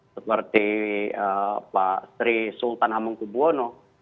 seperti pak sri sultan hamengkubwono